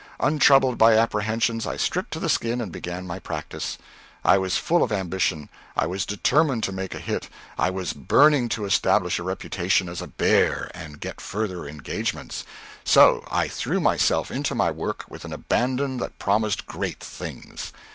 Untroubled by apprehensions, I stripped to the skin and began my practice. I was full of ambition; I was determined to make a hit; I was burning to establish a reputation as a bear and get further engagements; so I threw myself into my work with an abandon that promised great things.